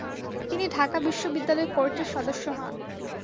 তিনি ঢাকা বিশ্ববিদ্যালয় কোর্টের সদস্য হন।